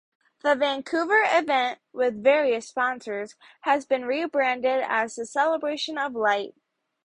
The Vancouver event, with various sponsors, has been re-branded as the "Celebration of Light".